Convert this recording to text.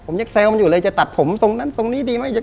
ผมยังแซวมันอยู่เลยจะตัดผมทรงนั้นทรงนี้ดีไหม